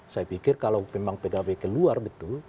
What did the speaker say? saya pikir kalau memang pkb keluar betul